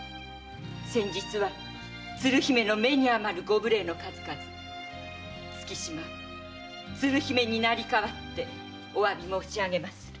先日は鶴姫の目に余るご無礼の数々月島鶴姫に成り代わってお詫び申しあげます。